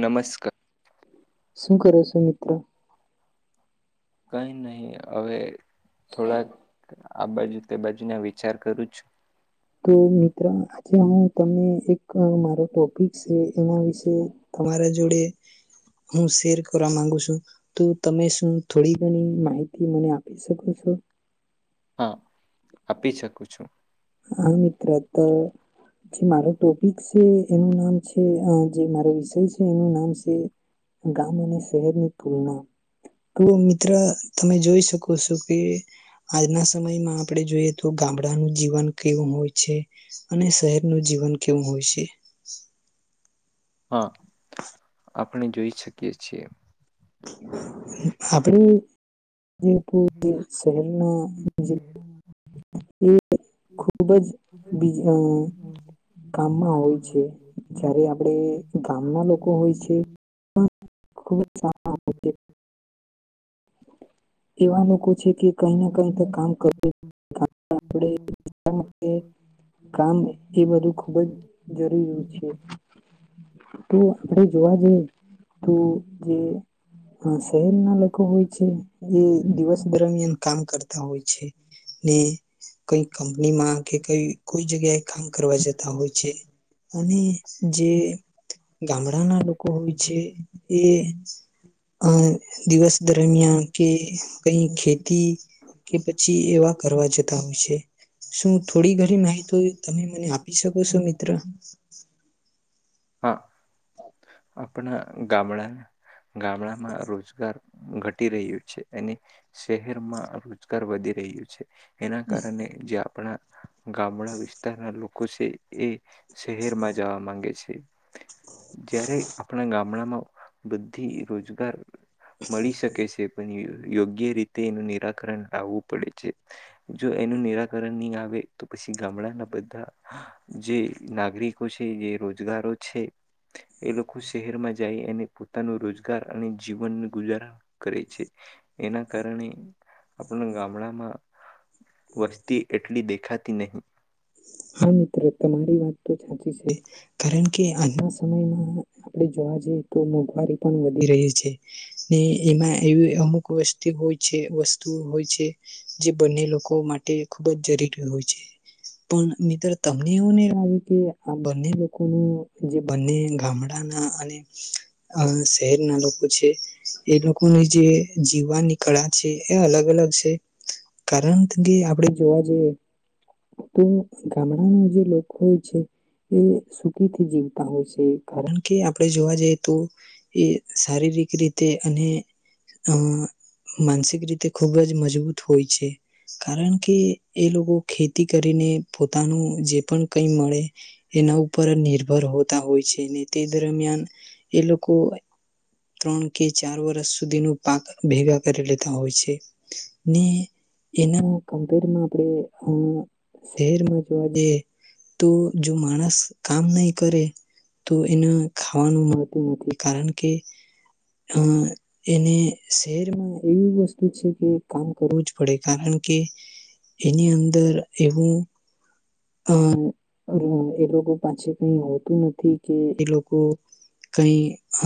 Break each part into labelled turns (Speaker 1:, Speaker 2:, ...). Speaker 1: નમસ્કાર
Speaker 2: શું કરો છો મિત્રો
Speaker 1: કઈ નહી હવે થોડાક આ બાજુ તે બાજુને વિચાર કરું છુ.
Speaker 2: તો મિત્ર આજે હું તમને એક મારો ટોપિક છે. એના વિશે તમારા જોડે હું શેર કરવા માંગુ છું. તો તમે શું થોડી ઘણી માહિતી મને આપી શકો છો.
Speaker 1: હા આપી સકુ છું.
Speaker 2: હા મિત્ર, તો મારે ટોપિક છે એનું નામ છે અ જે મારે વિષય છે એનું નામ છે, ગામ અને શહેરની તુલના, તો મિત્ર તમે જોઈ શકો છો કે આજના સમયમાં આપણે જોઈએ તો ગામડાનું જીવન કેવું હોય છે અને શહેરનું જીવન કેવું હોય છે.
Speaker 1: હા આ અમે જોઈ શકીએ છીએ.
Speaker 2: હ [inaudible] આપડે શહેરના એ ખુબ જ બીજ અ કામમાં હોય છે જયારે આપડે ગામના લોકો હોય છે પણ ખૂબ જ સા [unintelligible] હા ઓકે. [inaudible] એવા લોકો છે કે કંઈ ના કઈ તો કામ કર
Speaker 1: [unintelligible]
Speaker 2: કે, કામ એ બધુ ખુબ જ જરૂરી છે, આપડે જોવા જઈએ. તો જે સહેર ના લોકો હોય છે એ દિવસ દરમિયાન કામ કરતા હોય છે, ને કઈ કંપનીમાં કે કઈ કોઈ જગ્યાએ કામ કરવા જતા હોય છે, અને જે ગામડાના લોકો હોય છે એ અ દિવસ દરમિયાન કે કઈ ખેતી કે પછી એવા કરવા જત આ વિશે, શું થોડી ઘણી માહિતી તમે મને આપી શકો છો મિત્ર? હા.
Speaker 1: આપણા ગામડા ગામડામાં રોજગાર ઘટી રહ્યું છે એને, શહેરમાં રોજગાર વધી રહ્યું છે. એના કારને જે આપણા ગામડા વિસ્તારના લોક. કુશે એ. શહેર માં જવા માંગે છે.
Speaker 2: [inaudible]
Speaker 1: ગામડામાં બધ્ધી રોજગાર મળી શકે છે પણ ય યોગ્ય રીતે એનું નિરાકરણ લાવવું પડે છે. જો એનું નિરાકરણ નહીં આવે આવે તો પછી ગામડાના બધા જે નાગરિકો છે એ રોજગારો છે એ લોક ખું શહેરમાં જઇયેને પોતાનું રોજગાર અને જીવન નુ ગુજારણ કરે છે. એના કારણે આપણા [unintelligible] ગામડામાં વસ્તી એટલી દેખાતી નહી
Speaker 2: હા, મિત્ર તમારી વાત તો સાચી છે. કારણકે આજના સમયમાં આપણે જોવા જઈએ તો મોંઘવારી પણ વધી રહી છે, ને એમાં એવી અમુક વસ્ત હોય છે, વસ્તુઓ હોય છે જે બંને લોકો માટે ખુબજ જરૂરી હોય છે. પણ મિત્ર તમને એવું નહીં લાગ્યું કે આ બંને લોકો જે બંને ગામડાના અને અહ શહેરના લોકો છે એ લોકોએ જે જીવવાની કળા છે, એ અલગ અલગ છે. કરેંટ ડે આપણેે જોવા જઈએ તો ગામડામાં જે લોકો હોય છે એ સુખીથી જીવતા હોય છે, કારણકે આપડે જોવા જઈએ તો એ શારીરિક રીતે અને અહ માનસિક રીતે તે ખૂબજ મજબૂત હોય છે. કારણકે એ લોકો ખેતી કરીને પોતાનું જે પણ કઈ મળે એના ઉપર નિર્ભર હોતા હોય છે, ને તે દરમિયાન એ લોકો ત્રણ કે ચાર વર્ષ સુધીનું પાક ભેગા કરી લેતા હોય છે. ને એના મા કમપેરમાં આપડે અહ શહેરમાં જોવા જઈએ, તો જો માણસ કામ નઈ કરે તો એને ખાવાનું મળતું નથી, કારણકે અહ એને શહેરમાં એવી વસ્તુ છે કે કામ કરવું જ પડે કારણકે એની અંદર એવું અહ એ લોકો પાછે કઈ હોતું નથી, કે એ લોકો કઈ હ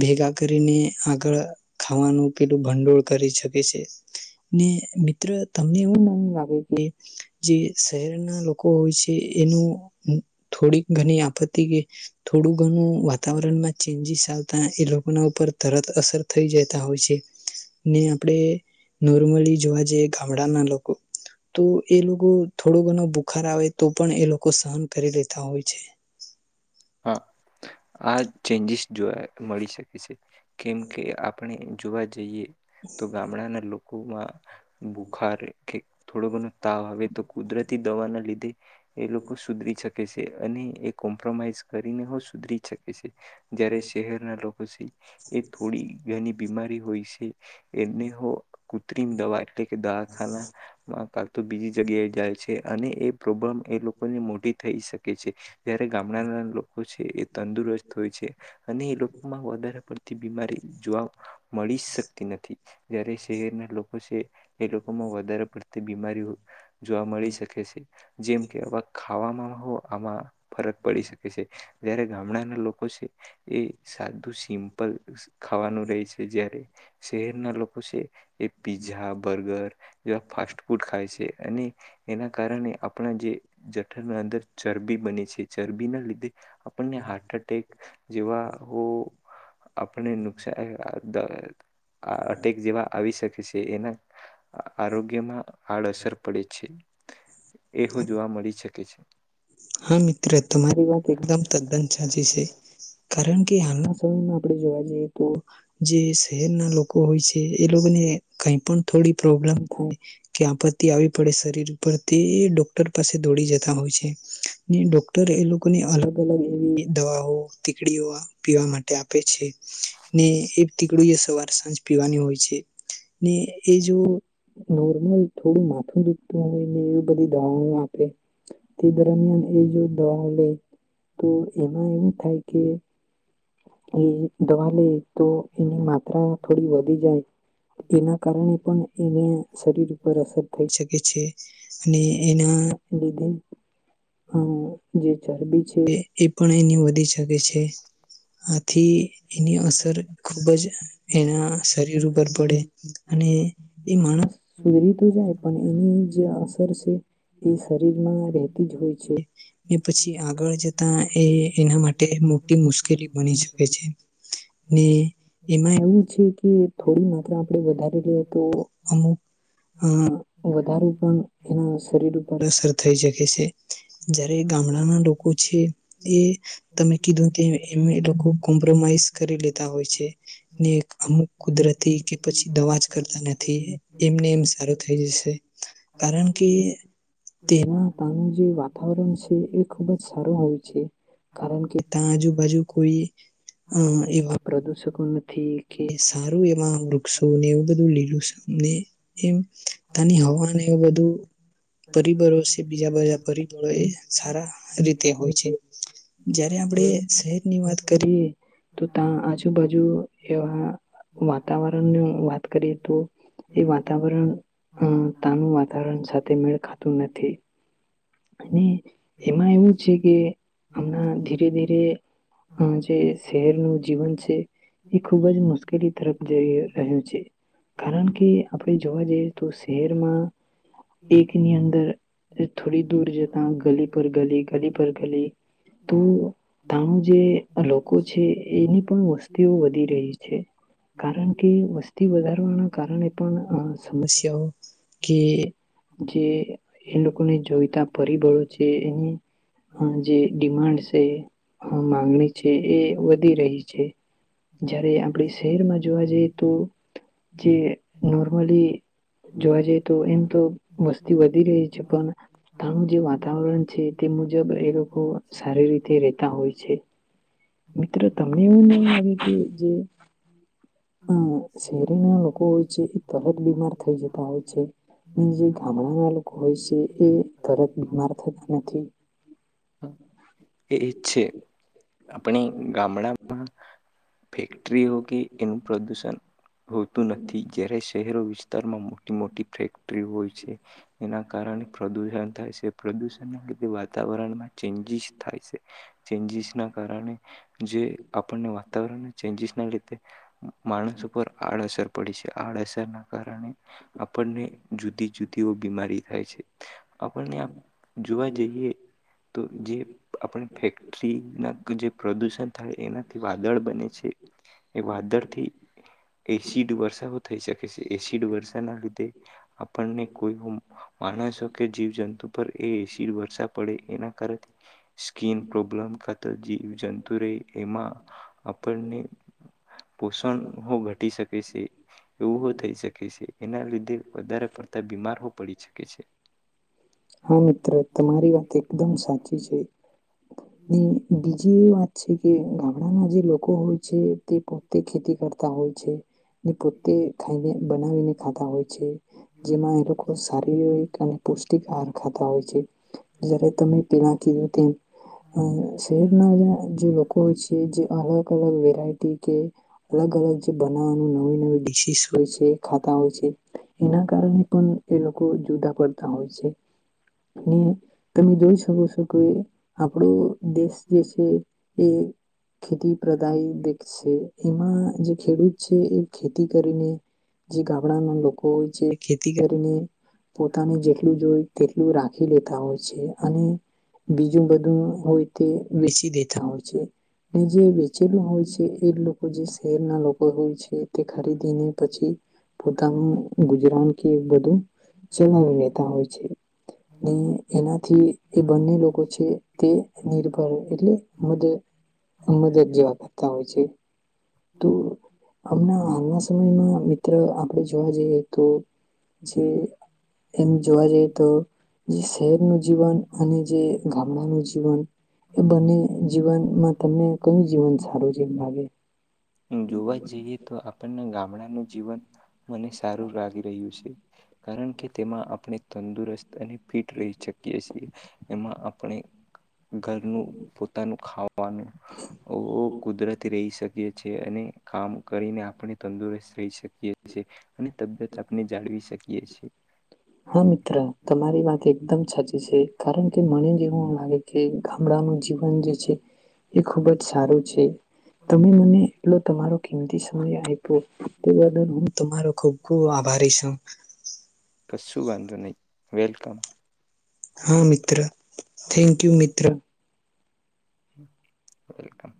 Speaker 2: ભેગા કરીને આગળ ખાવાનું પ ભંડોળ કરી શકે છે. ને મિત્ર તમને એવું ન આવે જે જે શહેરના લોક જે એનું હ થોડી ઘણી આપત્તિ કે, થોડું ઘણું વાતાવરણમાં ચેન્જીસ આવતા એ લોકોના ઉપર તરત અસર થઈ જતા હોય છે. ને આપડે નોર્મલી જોવા જઈએ ઘાવડાના લોકો. તો એ લોકો થોડો ઘણું બુક કરઆવે તો પણ એ લોકો સહન કરી લેતા હોય છે. [inaudible]
Speaker 1: હા, આ ચેન્જીસ જોયા મળી શકે છે. કેમ કે આપણે જોવા જઈએ. તો ગામડાના લો હમાં બોખારે કે થોડું ઘણું તાવ આવે તો કુદરતી દવા ના લીધે, એ લોકો સુધરી શકે છે અને એ કોમ્પ્રોમાઈઝ. કરીને હ સુધરી શકે છે. જયારે શહેરના લોકો ખુશી. એ થોડી ઘણી બીમાારીહોઈ શે એને હો કૃત્રિમ દવા એટલે કે દવાખાનામાં ક તો બીજી જગ્યાએ જાય છે. છે અને એ પ્રોબ્લેમ એ લોકોની મોટી થઈ શકે છે જ્યારે ગામડાના લોકો લોકો છે એ તંદુરસ્ત હોય છે અને એ લોકોમાં વધારે પડતી બીમારી જોવા મળી શકતી નથી જયયારે શહેરના લોકો છે એ લોકોમાં વધારે પડતી બીમારીઓ જોવા મળી શકે છે જેમ કે આવા ખાવામાં આમાં ફરક પડી શકે છે. જયારે ગામડાના લોકો છે એ સાદું સિમ્પલ ખાવાનું રહે છે જ્યારે શહેરના લોકો છે એ પીઝા બર્ગર એવા ફાસ્ટ ફૂડ ખાય છે અને એના કારણે આપણા જે જઠર અંદર ચરબી બને છે ચરબી ના લીધે આપણને હાર્ટ અટ્ટાક જેવા હો આપને નુકસાન અટેક જેવા આવી શકે છે એના આરોગ્યમાં હાડઅસર પડે છે. એવું જોવા મળી શકે છે.
Speaker 2: હા મિત્ર તમારી વાત એકદમ તદ્દન સાચે છે, કારણ કે હાલના સમયમાં આપણે જોવા જઈએ તો જે શહેરના લોકો હોય છે એ લોકોને કઈ પણ થોડી પ્રોબ્લેમ કો કે આપત્તિ આવી પડે શરીર ઉપર તે ડોક્ટર પાસે દોડી જતા હોય છે. ને ડોક્ટર એ લોકોને અલગ અલગ એવી દવાઓ ટીકડીઓ પીવા માટે આપે છે. ને એ તીકડું એ સવાર સાંજ પીવાની હોય છે. છે, ને એ જો નોર્મલ થોડું માથું દુખતું હોય ને એવી બધી દવાઓ આપે તે દરમિયાન એ જો દવા લે, તો એમાં એવું થાય કે એ દવા લે તો એની માત્રા થોડી વધી જાય, એના કારણે પણ એને શરીર ઉપર અસર થઈ શકે છે, અને એના લીધે હા. જે ચરબી છે એ પણ એની વધી શકે છે, આથી એની અસર ખુબ જ એના શરીર ઉપર પડે, અને એ માણસ સુધરી તો જાય પણ એની જે અસર છે એ શરીરમાં જ હોય છે. ને પછી આગળ જતા એ એના માટે મોટી મુશ્કેલી બની શકે છે, ને એમાં એવું છે કે થોડી માત્ર આપણે વધારી લઈએ તો અમુક, અ વધારું પણ એના શરીર ઉપર અસર થઈ શકે. જયારે ગામડાના લોકો છે, એ તમે કીધું કે એ એ લોકો કોમ્પ્રોમાઈઝ કરી લેતા હોય છે, ને અમુક કુદરતી કે પછી દવા જ કરતા નથી એમને એમ સારું થઈ જશે, કારણ કે તેના જે વાત વાતાવરણ છે એ ખૂબ જ સારું હોય છે, કારણ કે ત્યાં આજુબાજુ કોઈ એવા પ્રદૂષકો નથી કે સારું એવા વૃક્ષોને એવું બધું લીલુંને એમ, તની હવાને એવું બધું પરિબરો કે બીજા બજા પરી એ સારા રીતે હોય છે, જયારે આપણે શહેરની વાત કરીએ, તો ત આજુબાજુ એવા વાતાવરણની વાત કરીએ તો, એ વાતાવરણ તનુ વાતાવરણ સાથે મેળ ખાતું નથી. અને એમાં એવું છે કે હમણાં ધીરે ધીરે જે શહેરનું જીવન છે, એ ખૂબ જ મુશ્કેલી તરફ જઈ રહ્યું છે, કારણ કે આપણે જોવા જઈએ તો શહેરમાં, એકની અંદર થોડી દૂર જતા ગલી પર ગલી ગલી પર ગલી, તો તણું જે લોકો છે એની પણ વસ્તીઓ વધી રહી છે, કારણ કે વસ્તી વધારવાના કારણે પણ સમસ્યાઓ કે જે જોય પરિબળો છે એની, જે ડિમાન્ડ છે માંગણી છે એ વધી રહી છે, જયારે આપણે શહેરમાં જોવા જઈએ તો, જે નોર્મલી જોવા જઈએ તો એમ તો વસ્તી વધી રહી તણું જે વાતાવરણ છે તે મુજબ એ લોકો સારી રીતે રતા હોય છે, મિત્ર તમને એવું લાગે કે જે, અ શહેરીના લોકો હોય છે એ તરત બીમાર થઈ જતા હોય છે, જે ગામડાના લોકો હોય છે એ તરત બીમાર થતા નથી.
Speaker 1: આપણે ગામડામાં ફેક્ટરી હો કે એનું પ્રદૂષણ હોતું નથી જ્યારે શહેરો વિસ્તારમાં મોટી મોટી ફેક્ટરી હોય છે, એના કારણે પ્ર થાય છે પ્રદૂષણ લીધે વાતાવરણમાં ચેન્જીસ થાય છે, ચેન્જીસ ના કારણે, જે આપણને વાતાવરણ ચેન્જીસ ના લીધે માણસ ઉપર આડઅસર પ પ છે. આડઅસર ના કારણે આપણને જુદી જુદીઓ બીમારી થાય છે. આપણને જોવા જઈએ તો જે આપણે ફેક્ટરીના જે પ્રદૂષણ થાય એના. થી વાદળ બને છે, એ વાદળથી એસિડ વરષઓ થઈ શકે છે. એસિડ વરષાના લીધે આપણને કોઈ માણસ કે જીવજંતુ પર એ એસીડ વર્ષા પડે એના કારણે સ્કીન પ્રોબ્લમ ખા તો જી એવુ જંતુ રેય એમાં. આપણને પોષણ હો ઘટી શ પેશી. એવું હો થઈ શકે છે, એના લીધે વધારે પડતા બીમાર હો પડી. શકે છે.
Speaker 2: હા મિત્ર, તમારી વાત એકદમ સાચી છે. બીજી એ વાત છે કે ગામડાના જે લોકો હોય છે તે પોતે ખેતી કરતા હોય છે ને પોતે ખાઈને બનાવીને ખાતા હોય છે જેમાં એ લોકો શારીરિક અને પૌષ્ટિક આાર ખાતા હોય છે. જારે તમે પેલા કીધું તેમ શહેરના જે લોકો હોય છે જે અલગ-અલગ વેરાયટી કે અલગ-અલગ જે બનાવાનું નવી-નવી ડડીસીસ હોય છે ખાતા હોય છે એના કારણે પણ એ લોકો જુદા પડતા હોય છે. [inaudible] તમે જોઈ શકો છો કે આપણો દેશ જે છે એ ખેતી પ્રદાય દેશ છે. એમાં જે ખેડૂત છે એ ખેતી કરીને જે ગામડાના લોકો હોય છે ખેતી કરીને પોતાને જેટલું જોઈ લું રાખી લેતા હોય અને બીજું બધું હોય તે વેચી દેતા હોય છે ને જે વેચેલું હોય છે એ લોકો જે શહેરના લોકો હોય છે તે ખરીદીને પછી પોતાનું ગુજરાન કે બધું ચલાવી લેતા હોય છે. [inaudible] એનાથી એ બંને લોકો છે તે નિર્ભર એટલે મદ મદદ જેવા કરતા હોય છે. તો હમણા આજના સમયમાં મિત્ર આપણે જોવા જઈએ તો જે એમ જોવા જઈ તો જે શહેરનું જીવન અને જે ગામડાનું જીવન એ બંને જીવનમાં તમને કયું જીવન સારું જેમ લાગે?
Speaker 1: જોવા જઈએ તો આપણને ગામડાનું જીવન મને સારું લાગી રહ્યું છે કારણ કે તેમાં આપણે તંદુરસ્ત અને ફિટ રહી શકીએ છીએ એમાં આપણે ઘરનું પોતાનું ખા [inaudible] કુદરતી રહી શકે એ છે અને કામ કરીને આપણે તંદુરસ રહી શકીએ છીએ અને તબિયત આપણે જાળવી શકીએ છે.
Speaker 2: હા મિત્ર, તમારી વાત એકદમ સાચી છે કારણ કે મને જેવું લાગે કે ગામડાનું જીવન જે છે એ ખુબ જ સારું છે. તમે મને એટલો તમારો કિંમતી સમય આપ્યો તે બદલ હું તમારો ખૂબ-ખૂબ આભારી છું.
Speaker 1: શું વાંધો નહી વેલકમ.
Speaker 2: હા મિત્ર થેન્ક યુ મિત્ર.
Speaker 1: વેલકમ.